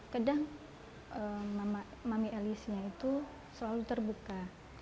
kadang mami elisnya itu selalu terbuka